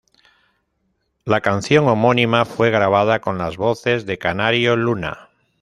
La canción homónima fue grabada con las voces de Canario Luna.